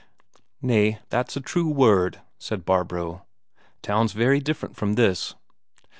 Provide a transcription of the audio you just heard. "Nay, that's a true word," said Barbro, "Town's very different from this."